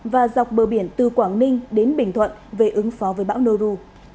và dọc bờ biển từ quảng ninh đến bình thuận về ứng phó với bão noru